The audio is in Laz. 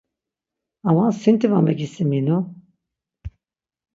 Ama sinti va megisiminu.